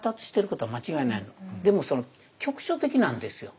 でもその局所的なんですよ。